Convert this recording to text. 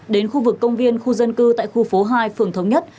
đến khu vực công viên khu dân cư tại khu phố hai phường thống nhất